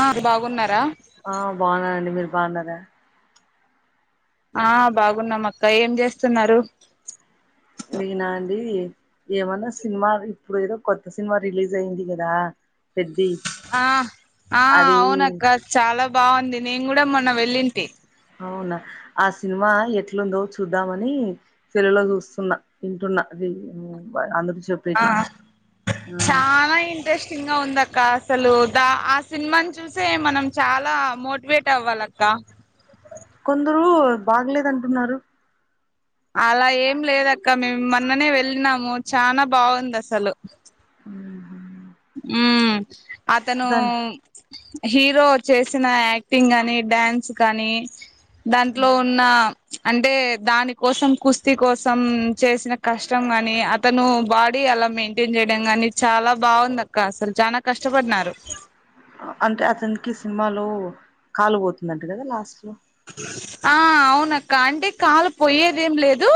ఆ బాగున్నారా ఆ బాగున్ననండి మీరు బాగున్నారా ఆ బాగున్నాం అక్క ఏం చేస్తున్నారు నినా అండి ఏమన్నా సినిమాలు ఇప్పుడు ఏదో కొత్త సినిమా రిలీజ్ అయింది కదా పెద్ది ఆ ఆ అది అవునక్క చాలా బాగుంది నేను కూడా మొన్న వెళ్ళింటి అవునా ఆ సినిమా ఎట్లుందో చూద్దామని సెల్ లో చూస్తున్నా వింటున్నా అందరూ ఆ చెప్పేటివి ఆ చాలా ఇంట్రెస్టింగ్గా ఉందక్క అసలు దా ఆ సినిమాను చూసే మనం చాలా మోటివేట్ అవ్వాలి అక్క కొందరు బాగలేదంటున్నారు అలా ఏం లేదక్క మేము మొన్ననే వెళ్ళినము చానా బాగుంది అసలు మ్మ్. హ్మ్ అతను దాని హీరో చేసిన యాక్టింగ్ కానీ డ్యాన్స్ కానీ దాంట్లో ఉన్న అంటే దాని కోసం కుస్తీ కోసం చేసిన కష్టం గాని అతను బాడీ అలా మెయింటైన్ చేయడం గాని చాలా బాగుంది అక్క అసలు చానా కష్టపడినారు అంటే అతనికి సినిమాలో కాలు పోతుందంట కదా లాస్ట్ లో ఆ అవునక్క అంటే కాలు పోయేది ఏం లేదు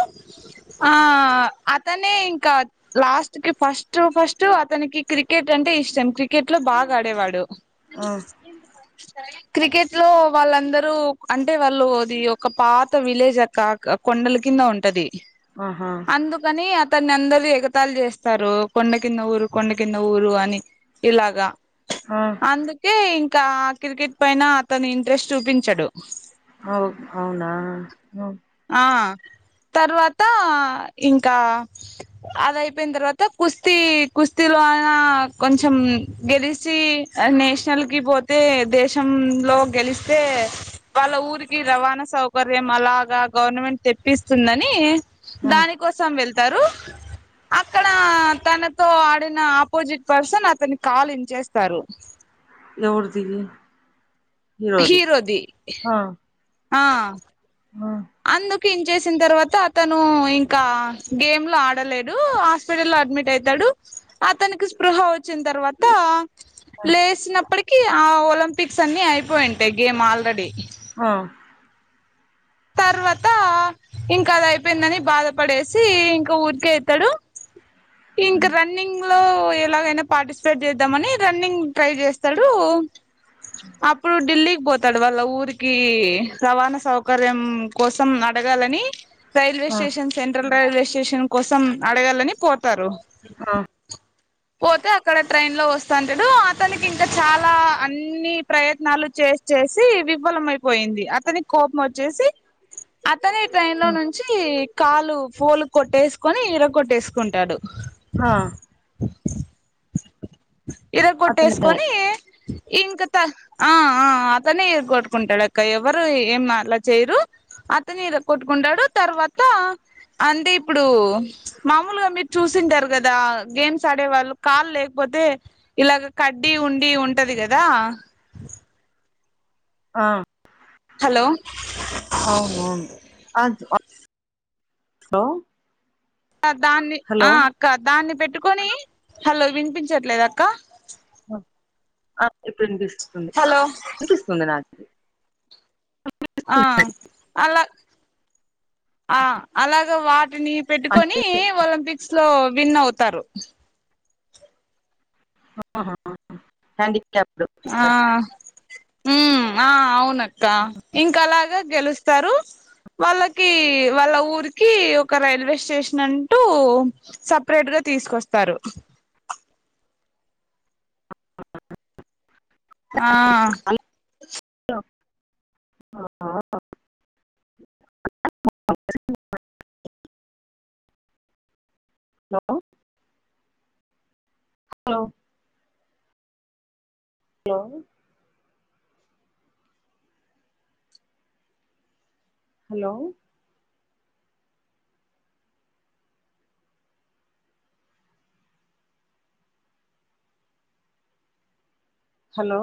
ఆ అత్ అతనే ఇంకా లాస్ట్ కి ఫస్ట్ ఫస్ట్ అతనికి క్రికెట్ అంటే ఇష్టం క్రికెట్ లో బా గాడే వాడు ఆ క్రికెట్ లో వాళ్ళందరూ అంటే వాళ్ళు అది ఒక పాత విలేజ్ అక్క కొండల కింద ఉంటది ఆహా అందుకని అత న్ని అందరూ ఎగతాళి చేస్తారు కొండ కింద ఊరు కొండ కింద ఊరు అని ఇలాగా ఆ అందుకే ఇ క క్రికెట్ పైన అతను ఇంట్రెస్ట్ చూపించడు అవు అవునా ఆ తర్వాత ఇంకా అదయిపోయిన తర్వాత కుస్తీ కుస్తీలో ఆ కొంచెం గెలిచి నేషనల్ కి పోతే దేశం లో గెలిస్తే వాళ్ళ ఊరికి రవాణా సౌకర్యం అలాగా గవర్నమెంట్ తెప్పిస్తుందని ఆ దాని కోసం వెళ్తారు అక్కడ తనతో ఆడిన ఆపోజిట్ పర్సన్ అతన్ని కాల్ ఇంచేస్తారు ఎవరిది హీరోది ఆ ఆ ఆ అందుకు ఇంచేసిన తర్వాత అతను ఇంకా గేమ్ లో ఆడలేడు హాస్పిటల్లో అడ్మిట్ అయితాడు అతనికి స్పృహ వచ్చిన తర్వాత లేచినప్పటికి ఆ ఒల లింపిక్స్ అన్ని అయిపోయింటాయి గేమ్ ఆల్రెడీ ఆ తర్వాత ఇంకా అది అయిపోయిందని బాధపడేసి ఇంక ఊరికేళ్తడు ఇంక రన్నింగ్ లో ఎలాగైనా పార్టిసిపేట్ చేద్దామని రన్నింగ్ ట్రై చేస్తాడు అప్పుడు ఢిల్లీకి పోతాడు వాళ్ళ ఊరికి రవాణా సౌకర్యం కోసం అడగాలని railway station central railway station కోసం అడగాలని పోతారు ఆ పోతే అక్కడ ట్రైన్ లో వస్తాంటాడు అతనికి ఇంకా చాలా అన్ని ప్రయత్నాలు చే చేసి చేసి విఫలమైపోయింది అతనికి కోపం వచ్చేసి అతనే ట్రైన్ లో నుంచి కాలు ఫోల్ కొట్టేసుకొని ఇరా కొట్టేసుకుంటాడు ఆ ఇరా అతనే కొట్టేసుకోని ఇంక త ఆ ఆ అతనే ఇర కొట్టుకుంటాడు అక్క ఎవరు ఏం అలా చేయరు అతని ఇర కొట్టుకుంటాడు తర్వాత అంటే ఇప్పుడు మామూలుగా మీరు చూస్ సుంటారు కదా గేమ్స్ సడే వాళ్ళు కాలు లేకపోతే ఇలాగ కడ్డి ఉండి ఉంటది కదా ఆ హలో అవును అవును అజ్ ఆ హలో హా దాన్ని ఆ హలో అక్క దాన్ని పెట్టుకొని హలో వినిపించట్లేద అక్క ఆ ఇప్పుడు వినిపిస్తుంది హలో ఇనిపిస్తుంది నాకు ఆ అలా ఆ అలాగ వాటిని అంటే పెట్టుకొని ఒలింపిక్స్ లో విన్ అవుతారు ఆ ఆ హ్యాండీ కాప్డ్ ఆ ఉమ్ ఆ అవునక్క ఇంకా అలాగా గెలుస్తారు వాళ్ళకి వాళ్ళ ఊరికి ఒక రైల్వే స్టేషన్ అంటూ సపరేట్ గా తీసుకొస్తారు ఆ ఆ ఆ [unintelligible] hello hello hello hello hello